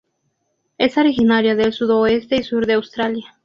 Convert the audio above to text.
Es originario del sudoeste y sur de Australia.